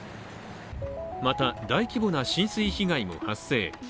また、大規模な浸水被害も発生。